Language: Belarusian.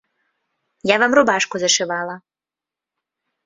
Я вам рубашку зашывала.